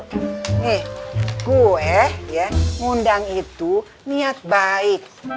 nih gue ya undang itu niat baik